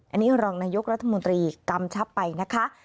อันนี้รองนายกรัฐมนตรีกำชับไปนะคะ